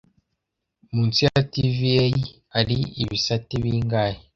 Munsi ya TVA, hari ibisate bingahe